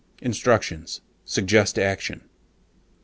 INSTRUCTIONS: SUGGEST ACTION.